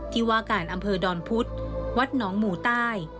ที่ว่าการอำเภอดอนพุธวัดหนองหมู่ใต้